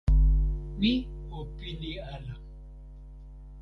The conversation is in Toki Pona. mi o pini ala.